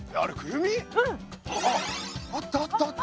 うん。あったあったあった。